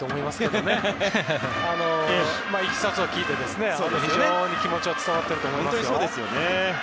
でもいきさつを聞いて、非常に気持ちは伝わっていると思います。